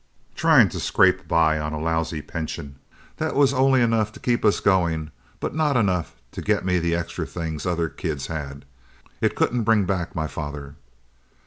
Trying to scrape by on a lousy pension that was only enough to keep us going, but not enough to get me the extra things other kids had. It couldn't bring back my father!"